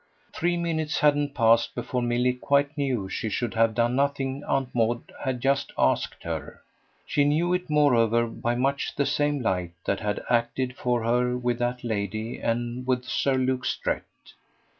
Three minutes hadn't passed before Milly quite knew she should have done nothing Aunt Maud had just asked her. She knew it moreover by much the same light that had acted for her with that lady and with Sir Luke Strett.